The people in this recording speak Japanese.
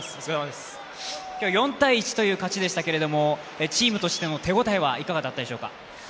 今日４−１という勝ちでしたけどチームとしての手応えいかがでしたか？